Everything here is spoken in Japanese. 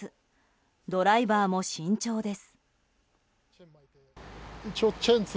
ドライバーも慎重です。